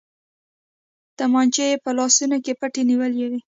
تمانچې يې په لاسو کې پټې نيولې وې.